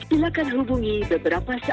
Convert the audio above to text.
silakan hubungi beberapa saat lagi